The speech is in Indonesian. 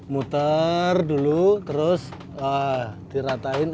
muter dulu terus diratain